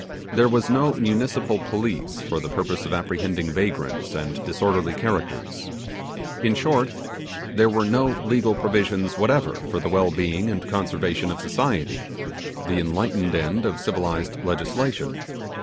There was no municipal police for the purpose of apprehending vagrants and disorderly characters. In short, there were no legal provisions whatever for the well being and conservation of society, the enlightened end of civilized legislation.